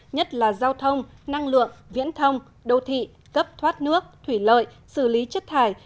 nhất là giao thông năng lượng viễn thông đô thị cấp thoát nước thủy lợi xử lý chất thải